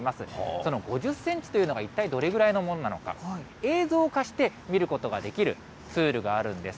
その５０センチというのが一体どれぐらいのものなのか、映像化して、見ることができるツールがあるんです。